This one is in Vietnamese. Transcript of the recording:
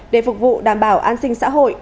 để phục vụ đảm bảo an sinh xã hội